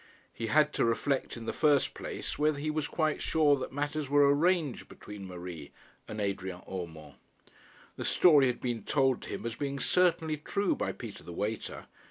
He had to reflect in the first place whether he was quite sure that matters were arranged between Marie and Adrian Urmand. The story had been told to him as being certainly true by Peter the waiter.